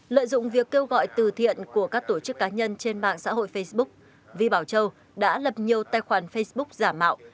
lợi dụng việc kêu gọi từ thiện của các tổ chức cá nhân trên mạng xã hội facebook vi bảo châu đã lập nhiều tài khoản facebook giả mạo